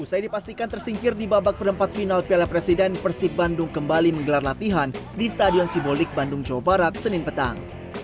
usai dipastikan tersingkir di babak perempat final piala presiden persib bandung kembali menggelar latihan di stadion simbolik bandung jawa barat senin petang